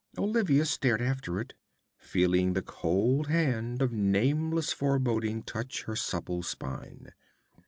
Olivia stared after it, feeling the cold hand of nameless foreboding touch her supple spine.